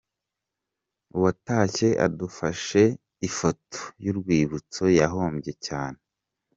Uwatashye adafashe ifoto y'urwibutso yahombye cyane.